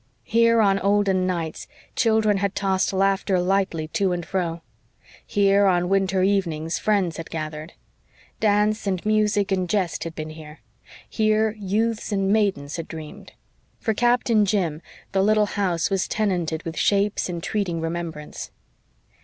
Here on olden nights children had tossed laughter lightly to and fro. Here on winter evenings friends had gathered. Dance and music and jest had been here. Here youths and maidens had dreamed. For Captain Jim the little house was tenanted with shapes entreating remembrance.